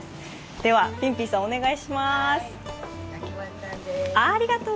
では、ピンピンさん、お願いします。